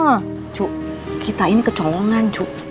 hah cu kita ini kecolongan cu